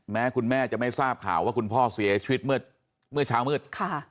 แม้คุณแม่จะไม่ทราบข่าวว่าคุณพ่อเสียชีวิตเมื่อเช้ามืด